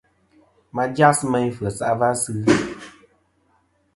Ma jas meyn f̀yes a va sɨ.